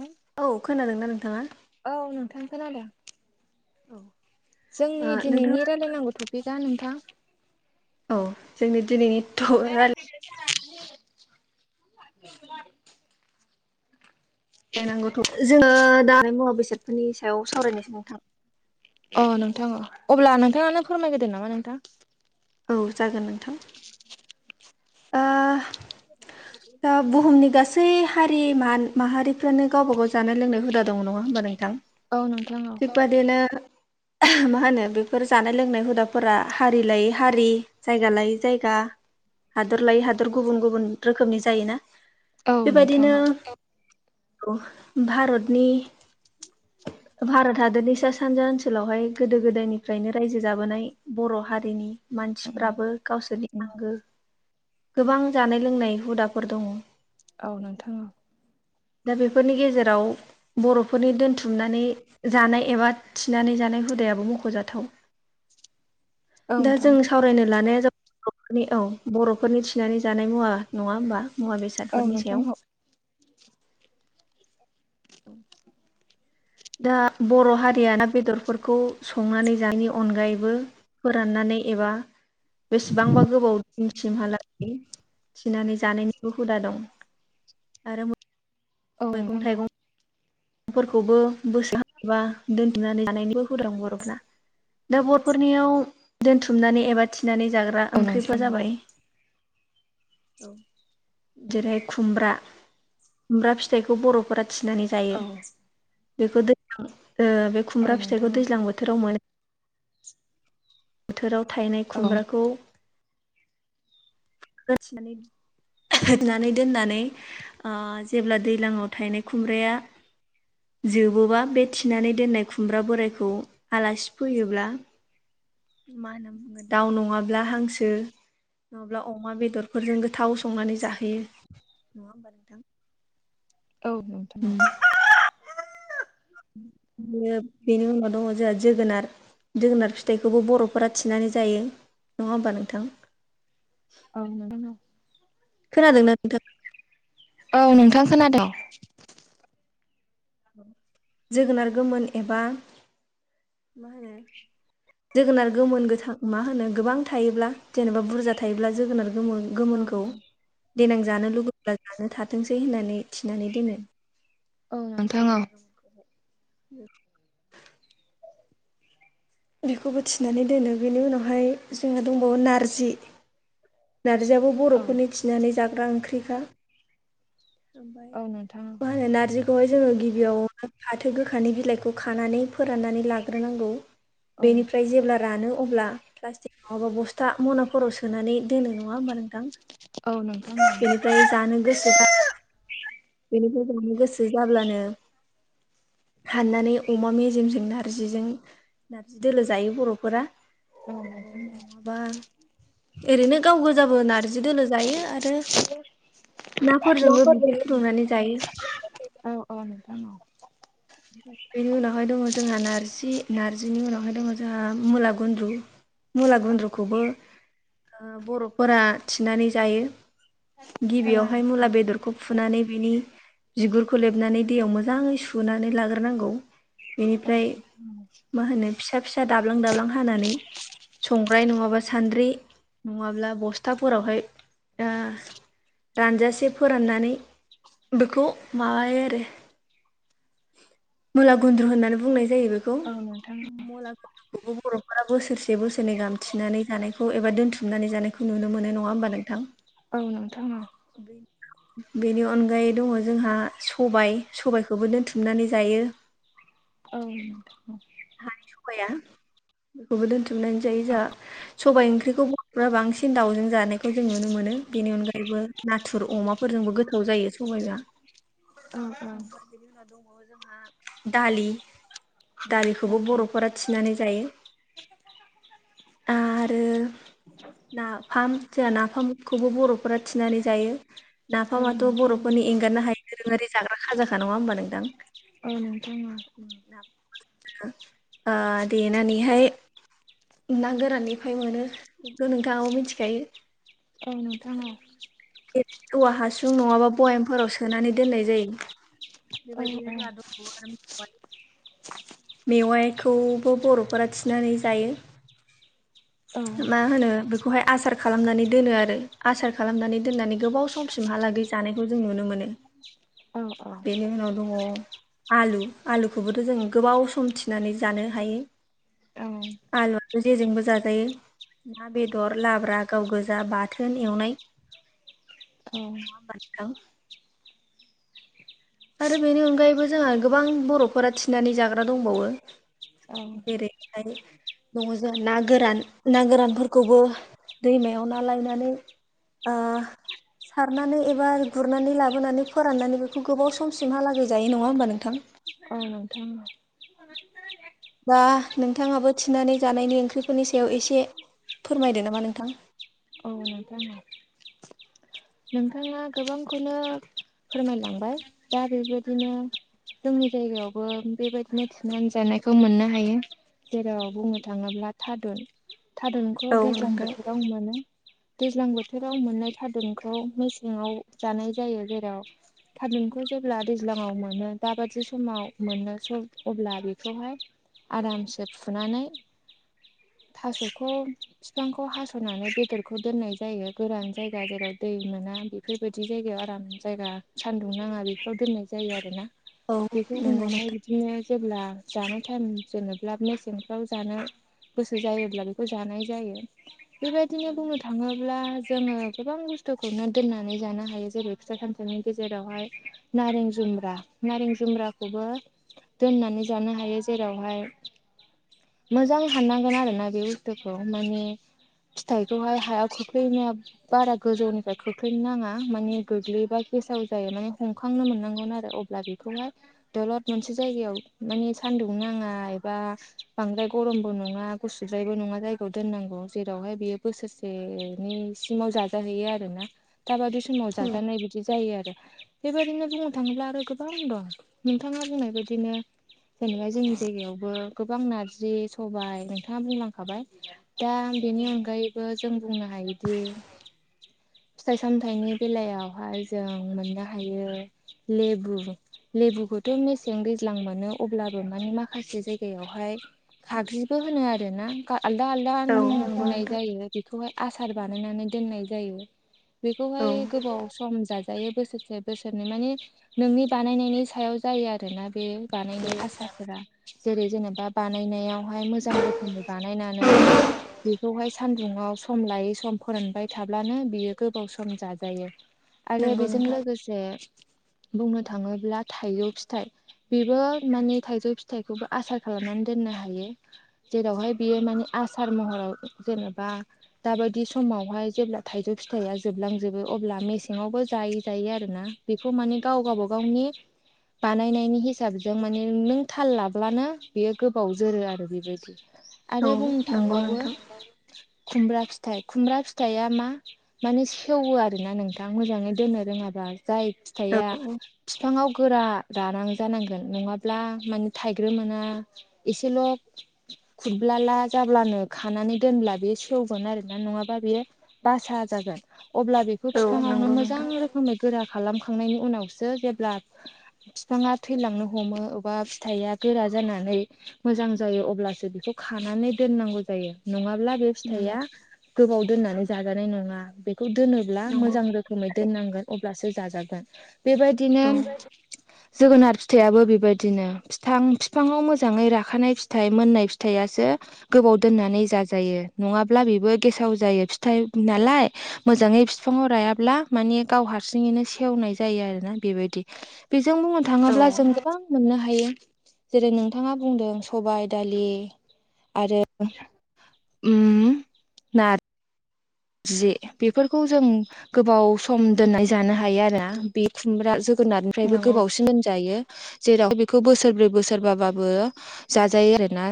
उ औ खोनादों ना नोंथाङा औ नोंथां खोनदों औ ओ जोंनि दिनैनि नोंथाङा रायलायनांगौ टपिकआ नोंथां औ जोंनि दिनैनिथ' रा [inaudible] [unintelligible] जोङो दा मुवा बेसादफोरनि सायाव सावरायनायसै नोंथां। अ नोंथां अब्ला नोंथाङानो फोरमायग्रोदो नामा नोंथां। औ जागोन नोंथां। दा बुहुमनि गासै हारिमान माहारिफ्रानो गावबाागाव जानाय लोंनो हुदा दङ नङा होमबा नोंथां औ नोंथां औ थिग बाददिनो मा होनो बेफोर जानाय लोंनाय हुदाफोरा हारि लायै हारि जायगा लायै जायगा हादर लायै हादर गुबुन गुबुन रोखोमनि जायोना औ नोंथां बेबायदिनो औ औ भारतनि उ भारत हादोरनि सा-सानजा ओनसोलावहाय गोदो गोदायनिफ्रायनो रायजो जाबोनाय बर' हारिनि मानसिफ्राबो गावसोरनि आंगो गोबां जानाय लोंनाय हुदाफोर दङ। औ नोंथाङा दा बेफोरनि गेजेराव बर'फोरनि दोनथुमनानै जानाय एबा थिनानै जानाय हुदायाबो मख'जाथाव। दा जों सावरायनो लानाया [unintelligible] औ। बर'फोरनि थिनानै जानाय मुवा नङा होमबा मुवा औ बेसादफोरनि नोंथां सायाव दा बर' हारिया ना बेदरफोरखौ संनानै जानायनि अनगायैबो फोराननानै एबा बेसेबांबा गोबाव सिमहालागै थिनानै जानायनिबो हुदा दं आरो औ मैगं थाइगं फोरखौबो बोसो एबा दोनथनानै जानायनिबो [unintelligible] बर'फोरना। दा बरफोरनियाव दोनथुमनानै एबा थिनानै जाग्रा ओंख्रिफ्रा नोंथां जाबाय औ। जेरैहाय खुमब्रा खुमब्रा फिथाइखौ बर'फोरा थिनानै औ जायो। बेखौ दैज्लां ओ बे औ खुमब्रा नोंथां फिथाइखौ दैज्लां बोथोराव मोनो। बोथोराव थायनाय औ नोंथां औ खुमब्राखौ थिनानै होनानै दोननानै ओ जेब्ला दैज्लाङाव थायनाय खुमब्राया जोबोबा बे थिनानै दोननाय खुमब्रा बोरायखौ आलासि फैयोब्ला मा होनना बुङो दाउ नङाब्ला हांसो नङाब्ला अमा बेदरफोरजों गोथाव संनानै जाहोयो [inaudible] औ नोंथां औ। यो बेनि उनाव दङ जोहा जोगोनार। जोगोनार फिथाइखौबो बर'फोरा थिनानै जायो नङा होमबा नोंथां? अ [unintelligible] खोनादोंना नोंथाङा? औ नोंथां खोनादों। जोगोनार गोमोन एबा मा होनो जोगोनार गोमोन गोथां मा होनो गोबां थायोब्ला जेनेबा बुरजा थायोब्ला जोगोनार गोमो औ गोमोनखौ देनां जानो लुुबैब्ला जानो थाथोंसै होननानै थिनानै दोनो। औ नोंथां औ जोगोनार गोमोनखौहाय बेखौबो थिनानै दोनो बेनि उनावहाय जोंहा दंबावो नारजि। नारजियाबो औ बर'फोरनि थिनानै जाग्रा ओंख्रिखा ओमफ्राय औ नोंथां मा होनो नारजि खौहाय जोंङो गिबियावनो फाथो गोखानि बिलाइखौ खानानै फोराननानै लाग्रोनांगौ। औ बेनिफ्राय जेब्ला रानो अब्ला प्लास्टिक नंङाबा बस्था मनाफोराव सोनानै दोनो नंङा होमबा नोंथां? औ नोंथां बेनिफ्राय जानो गोसो जाला बेनिफ्रायजांनो गोसो जाब्लानो हाननानै अमा मेजेमजों नारजिजों नारजि दोलो जायो बर'फोरा औ नोंथां औ ओमफ्राय नंङाबा ओरैनो गाव गोजाबो नारजि दोलो जायो आरो नाफोरजोंबो बिदै फुदुंनानै जायो औ औ नोंथां औ। बेनि उनावहाय दङ जोंहा नार्जि नार्जिनि उनावहाय दङ जोंहा मुला गुनद्रु। मुला औ गुन्द्रुखौबो ओ बर'फोरा थिनानै जायो। गिबियावहाय मुला बेदर खौ फुनानै बिनि बिगुरखौ लेबनानै दैयाव मोजाङै सुनानै लाग्रोनांगौ। औ बेनिफ्राय मा होनो फिसा फिसा दाब्लां दाब्लां हानानै संग्राय नङाबा सान्द्रि नङाब्ला बस्थाफोरावहाय ओ रानजासे फोराननानै बेखौ माबायो आरो। मुला गुन्द्रु होननानै बुंनाय जायो बेखौ औ नोंथां मला जोंखौबो बर'फोरा बोसोरसे बोसोरनै गामथिनानै जानायखौ एबा दोनथुमनानै जानायखौ नुनो मोनो नंङा होमबा नों थां औ नोंथां औ बेनि अनगायै दंङ जोंहा सबाय सबायाइखौबो दोनथुम हुमनानै जायो। औ हानि सबाया बेखौबो दोनथुमनानै जायो जोंहा सबायाइ ओंख्रिखौ बर'फ्रा बांसिन दाउजों जानायखौ जों नुनो मोनो बेनि अनगायैबो नाथुर अमाफोरजोंबो गोथाव जायो सबाइबा अ अ ओमफ्राय बेनि उनाव दंबावो जोंहा दालि दालिखौबो बर'फोरा थिनानै जायो आरो नाफाम जोंहा नाफामखौबो बर'फोरा थिनानै जायो। औ नाफामाथ' नोंथां बर'फोरनि एंगारनो हायैनो दोरोंङारि जाग्रा खाजाखा नंङा होनबा नोंथां? औ नोंथां औ ओ देनानैहाय ना गोराननिफ्राय मोनो खौ बो नोंथांङाबो मोनथिखायो। औ नोंथां औ औवा हासुं नंङाबा बयामफोराव सोनानै दोननाय जायो। औ बेबायदिनो [unintelligible] मेवाइखौबो बर'फोरा थिनानै जायो। मा होनो खौहाय आसार खालामनानै दोनो आरो आसार खालामनानै दोननानै गोबाव समसिमहालागै जानायखौ जों नुनो मोनो। [unintelligible] औ नोंथां बेनि उनाव दंङ आलु आलुखौबोथ' जों गोबाव सम थिनानै जानो हायो औ आलुआथ' जे जोंबो जाजायो। ना बेदर लाब्रा गाव गोजा बाथोन एवनाय नंङाबा नोंथां आरो बेनि अनगायैबो जोंहा गोबां बर'फोरा थिनानै जाग्रा दंबावो देरै हाय दंङ जोंङो ना गोरान ना गोरानफोरखौबो दैमायाव ना लायनानै ओ सारनानै एबा गुरनानै लाबोनानै फोराननानै बेखौ गोबाव सम समसिमहालागै जायो नङा होमबा नोंथां। औ दा नोंथाङाबो थिनानै जानायनि ओंख्रिफोरनि सायाव एसे फोरमायदो नामा नोंथां। औ नोंथांमोन। नोंथाङा गोबांखौनो फोरमायलांबाय दा बेबायदिनो जोंनि जायगायावबो बेबायदिनो थुनानै जानायखौ मोननो हायो। जेराव बुंनो थाङोब्ला थादुन थारुनखौ औ दैज्लां नोंथां बोथोराव मोनो दैज्लां बोथोराव मोननाय थारुनखौ मसे सिङाव जानाय जायो जेराव थारुनखौ जेब्ला दैज्लांङाव मोनो दाबादि समाव मोनो अब्ला बेखौहाय आरामसे फुनानै [inaudible] थास'खौ फिफांखौ हास'नानै बेदरखौ दोननाय जायो। गोरान जायगा जेराव दै मोना बेफोरबायदि जायगायाव आराम जायगा सानदुं नांङा बेफोराव दोननाय जायो आरो ना। औ बेखौ नंगौ नोंथां उनावहाय दिनो जेब्ला जानाय टाइम जोनोब्ला मेसेंफ्राव जानो गोसो जायोब्ला बेखौ जानाय जायो। बेबायदिनो बुंनो थांङोब्ला जोंङो गोबां बुस्थुखौनो दोननानै जानो हायो जेरै फिथा सामथनि गेजेरावहाय नारें जुमब्रा नारें जुमब्राखौ खौबो दोननानै जानो हायो जेरावहाय मोजां हाननांगोन आरोना बे बुस्थुखौ माने फिथाइखौहाय हायाव खोख्लैनाया बारा गोजौनिफ्राय खोख्लैनो नाङा माने गोग्लैयोबा गेसाव जायो माने हमखांनो मोननांगौ आरो अब्ला बेखौहाय। दलद मोनसे जायगायाव मानिे सान्दुं नाङा एबा बांद्राय गरमबो नङा। गुसुद्रायबो नङा जायगायाव दोननांगौ जेरावहाय बियो बोसोरसेनि सिमाव जाजाहैयो आरोना। दाबादै समाव जागारनाय बिदि जायो आरो बेबायदिनो बुंनो थाङोब्ला आरो गोबां दं नोंथाङा बुंनाय बायदिनो जेनेबा जोंनि जायगायावबो गोबां नारजि सबाय नोंथाङा बुंलांखाबाय दा बेनि औ अनगायैबो जों बुंनो हायोदि फिथाइ सामथायाइनि बेलायावहाय जों मोननो हायो लेबु लेबुखौथ' मेसें दैज्लां मोनो अब्लाबो मानि माखासे जायगायावहाय फाख्रिबो होनो आरो ना। आलदा आलदा औ मुं नंगौ होननाय नोंथां जायो बेखौहाय आसार बानायनानै दोननाय जायो। औ बेखौहाय गोबाव सम जाजायो बोसोरसे बोसोरनै माने नोंनि बानायनायनि सायाव जायो आरोना। बे बानायनाय आसार जेरै जेनेबा बानायनायावहाय मोजां रोखोमै बानायनानै बेखौहाय सानदुुं सम लायै सम फोरानबाय थाब्लानो बियो गोबाव सम जाजायो आरो नंगौ बेजों नोंथां लोगोसे बुंनो थाङोब्ला थाइ फिथाइ बेबो माने थाइजौ फिथाइखौबो आसार खालामनानै दोननो हायो जेरावहाय बेयो माने आसार महराव जेनेबा दाबायदि समावहाय जेब्ला थाइजौ फिथाइआ जोबलांजोबो अब्ला मेसेङावबो जायै जायै आरोना बेखौ माने गाव गावब गावनि बानायनायनि हिसाबजों माने नों थाल लाब्लानो बेयो गोबाव जोरो आरो बेबायदि। औ आरो बुंनो नंगौ थांबावो नोंथां खुमब्रा फिथाइ खुमब्रा फिथाइया मा माने सेवो आरो ना नोंथां मोजाङै दोननो रोङाबा जाय फिथाइया औ बिफाङाव गोरा रानां जानांगोन नङाब्ला माने थाइग्रोम मोना इसेल' खुरब्लाला जाब्लानो खानानै दोनब्ला बे सेवगोन आरोोना नङाबा बेयो बासा जागोन अब्ला बेखौ औ बिफाङावनो नंगौ मोजां नोंथां रोखोम खोमै गोरा खालामखांनायनि उनावसो जेब्ला बिफाङा थैलांनो हमो अबबा फिथाइया गोरा जानानै मोजां जायो अब्लासो बेखौ खानानै दोननांगौ जायो नङाब्ला बे उम फिथाइआ गोबाव दोननानै जाजानाय नङा बेखौ दोनोब्ला नंगौ मोजां रोम खोमै दोननांगोन अब्लासो जाजागोन बेबायदिनो औ औ [inaudible] जोगोनार फिथाइयाबो बेबायदिनो बिफां बिफाङाव मोजाङै राखानाय फिथाइ मोननाय फिथाइआसो गोबाव दोननानै जाजायो नङाब्ला बेबो गेसाव जायो फिथाइ नालाय मोजाङै बिफाङाव रायाब्ला माने गाव हारसिङैनो सेवनाय जायो आरोना बेबायदि बेजों बुंनो थाङोब्ला जों गोबां मोननो हायो जेरै नोंथाङा बुंदों सबायाइ दालि आरो ओम नार जे बेफोरखौ जों गोबाव सम दोननाय जानो हायो आरो बे खुमब्रा जो गोनारनिफ्रायबो नंगौ गोबावसो होनजायो। जेराव बेखौ बोसोरब्रै बोसोरबाबाबो जाजायो आरोना‌।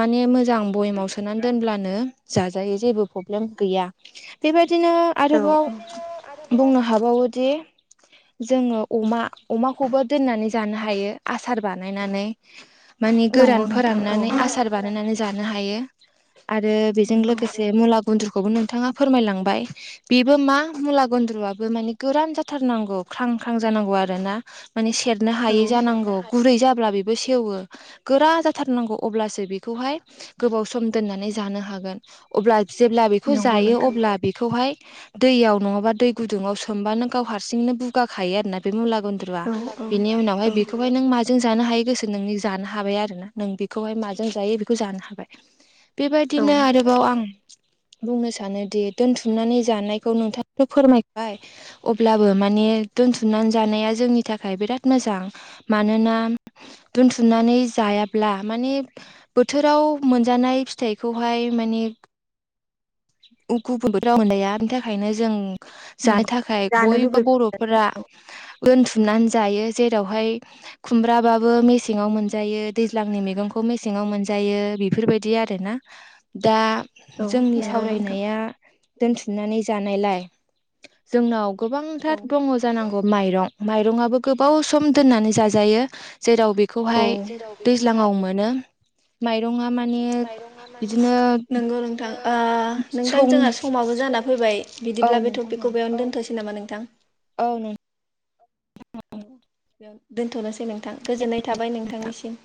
माने मोजां भयेमाव सोनानै दोनब्लानो जाजायो जेबो प्रब्लेम गैया।। बेबायदिनो औ आरोबाव बुंनो हाबावोदि जोङो अमा अमाखौबो दोननानै जानो हायो आसार बानायनानै मानि नंगौ गोरान नोंथां औ फोराननानै आसार बानायनानै जानो हायो आरो बेजों नंगौ लोगोसे मुला गुन्द्रुखौबो नोंथाङा फोरमायलांबाय बेबो मा मुला गुन्द्रुआबो माने गोरान जाथारनांगौ ख्रां ख्रां जानांगौ आरो ना माने सेरनो औ हायै जानांगौ गुरै जाब्ला बेबो सेवो गोरा जाथारनांगौ अब्लासो बेखौहाय गोबाव सम दोननानै जानो हागोन अब्ला जेब्ला बेखौ नंगौ जायो नोंथां अब्ला बेखौहाय दैयाव नङाबा दै गुदुंआव सोमबानो गाव हारसिंनो बुगाखायो आरोना बे मुला गुन्द्रु या औ बिनि उनावहाय औ औ बेखौहाय नों माजों जों जानो हायो गोसो नोंनि जानो हाबाय आरोना नों बेखौहाय माजों जायो बेखौ जानो हाबाय औ बेबायदिनो आरोबाव आं बुंनो सानोदि दोनथुमनानै जानायखौ नोंथाङाथ' फोरमायबाय अब्लाबो माने दोनथुमनानै जानाया जोंनि थाखाय बिराद मोजां मानोना दोनथुमनानै जायाब्ला माने बोथोराव मोनजानाय फिथाइखौहाय माने गुबुनबो राव मोनजाया बेनि थाखायनो जों जानो नंगौ थाखाय जानो बयबो लुबै बर'फोरा दोनथुमनानै जायो जेरावहाय खुमब्राबाबो मेसेङाव मोनजायो दैज्लांनि मैगंखौ मेसेङाव मोनजायो बेफोरबायदि आरोना दा औ जोंनि नंगौ नोंथां सावरायनाया या दोनथुमनानै जानायलाय जोंनाव गोबांथार औ दङ जानांगौ माइरं माइरंआबो गोबाव सम दोननानै जाजायो जेराव बे औ बेखौहाय जेराव बेखौहाय दैज्लाङाव मोनो माइरङा माने बिदिनो नंगौ नोंथां ओ नोंथां सौ जोंहा समाबो जाना फैबाय औ बिदिब्ला बे नोंथां औ टपिकखौ बेयावनो दोनथ'सै नामा नोंथां औ नों औ बेयाव दोनथ'नोसै नोंथां गोजोननाय थाबाय नोंथांनिसिम